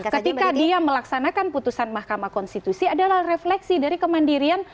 ketika dia melaksanakan putusan mahkamah konstitusi adalah refleksi dari kemandirian